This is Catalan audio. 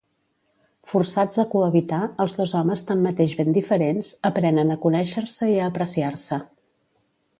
Forçats a cohabitar, els dos homes, tanmateix ben diferents, aprenen a conèixer-se i a apreciar-se.